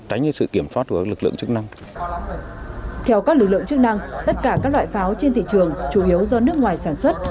theo các lực lượng chức năng tất cả các loại pháo trên thị trường chủ yếu do nước ngoài sản xuất